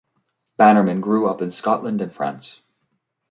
Bannerman grew up in Scotland and France.